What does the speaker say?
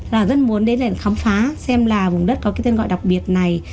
là rất muốn đến để khám phá xem là vùng đất có cái tên gọi đặc biệt này